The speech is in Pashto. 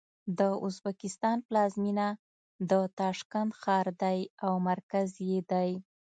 د ازبکستان پلازمېنه د تاشکند ښار دی او مرکز یې دی.